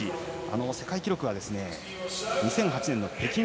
世界記録は２００８年の北京大会